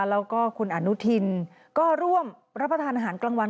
แล้วก็คุณอนุทินก็ร่วมรับประทานอาหารกลางวัน